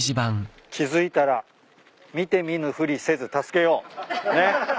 「気づいたら見て見ぬふりせず助けよう」ねっ？